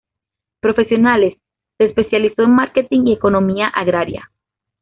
Profesionalmente, se especializó en marketing y economía agraria.